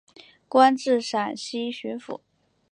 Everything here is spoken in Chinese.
官至陕西巡抚。